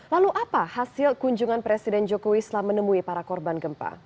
lalu apa hasil kunjungan presiden jokowi selama menemui para korban gempa